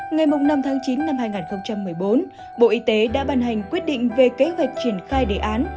ngày năm tháng chín năm hai nghìn một mươi bốn bộ y tế đã ban hành quyết định về kế hoạch triển khai đề án